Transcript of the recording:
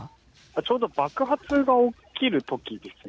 ちょうど爆発が起きるときですね。